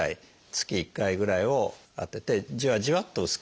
月１回ぐらいを当ててじわじわっと薄くする感じですね。